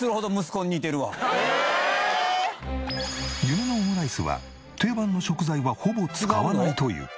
夢のオムライスは定番の食材はほぼ使わないという。